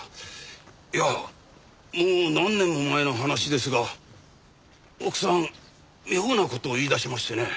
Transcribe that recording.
いやもう何年も前の話ですが奥さん妙な事を言い出しましてね。